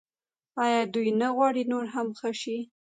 آیا دوی نه غواړي نور هم ښه شي؟